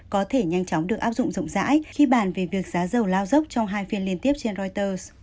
có thể nhanh chóng được áp dụng rộng rãi khi bàn về việc giá dầu lao dốc trong hai phiên liên tiếp trên reuters